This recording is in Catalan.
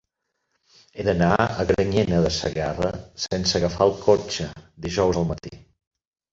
He d'anar a Granyena de Segarra sense agafar el cotxe dijous al matí.